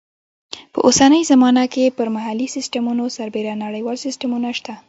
په اوسنۍ زمانه کې پر محلي سیسټمونو سربیره نړیوال سیسټمونه شته.